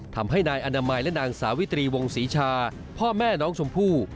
ทำให้นายอนามัยและนางสาวิตรีวงศรีชาพ่อแม่น้องชมพู่